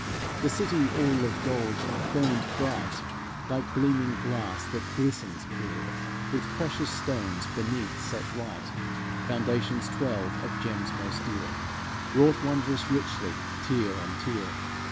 The city all of gold burned bright, Like gleaming glass that glistens clear. With precious stones beneath set right: Foundations twelve of gems most dear, Wrought wondrous richly, tier on tier.